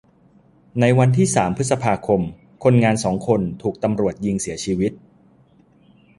ในวันที่สามพฤษภาคม คนงานสองคนถูกตำรวจยิงเสียชีวิต